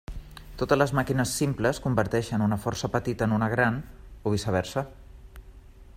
Totes les màquines simples converteixen una força petita en una gran, o viceversa.